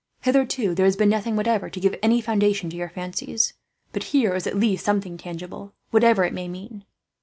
Hitherto there has been nothing, whatever, to give any foundation to your fancies; but here is at least something tangible, whatever it may mean.